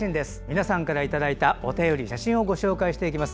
皆さんからいただいたお便り、写真をご紹介します。